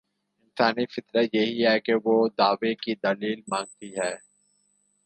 انسانی فطرت یہی ہے کہ وہ دعوے کی دلیل مانگتی ہے۔